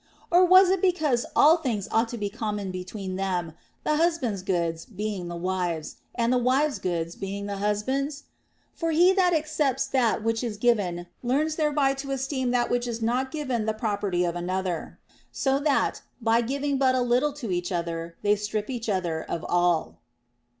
Or was it because all things ought to be common between them, the husbands' goods being the wives', and the wives' goods the husbands' ? For he that accepts that which is given learns thereby to esteem that which is not given the property of another ; so that, by giving but a little to each other, they strip each other of all.